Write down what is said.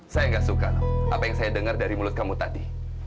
saya nggak suka apa yang saya dengar dari mulut kamu tadi